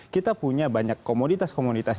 kita punya banyak komoditas komoditas